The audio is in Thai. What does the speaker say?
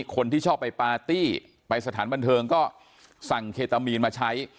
คนที่ชอบไปปาร์ตี้ไปสถานบันเทิงก็สั่งเคตามีนมาใช้